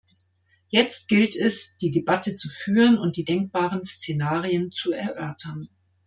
Jetzt gilt es, die Debatte zu führen und die denkbaren Szenarien zu erörtern.